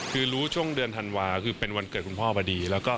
คือรู้ช่วงเดือนธันวาคือเป็นวันเกิดคุณพ่อพอดีแล้วก็